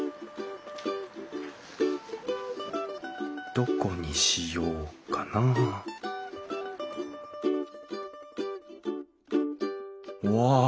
どこにしようかなうわ